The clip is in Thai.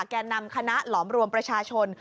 แก่นำคณะหลอมรวมประชาชน